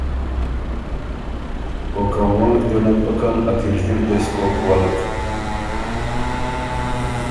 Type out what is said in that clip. او که وونلک دې نک بُکن ا کِرݫی ر دې سو کوک ولک؟